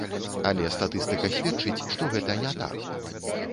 Але статыстыка сведчыць, што гэта не так.